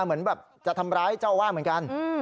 เหมือนแบบจะทำร้ายเจ้าวาดเหมือนกัน